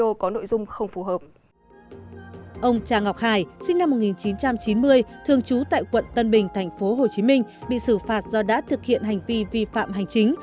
ông trà ngọc hải sinh năm một nghìn chín trăm chín mươi thường trú tại quận tân bình tp hcm bị xử phạt do đã thực hiện hành vi vi phạm hành chính